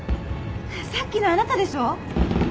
さっきのあなたでしょ？